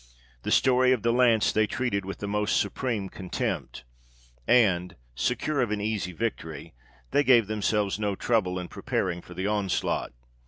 The story of the lance they treated with the most supreme contempt, and, secure of an easy victory, they gave themselves no trouble in preparing for the onslaught.